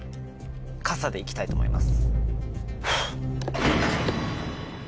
で行きたいと思います。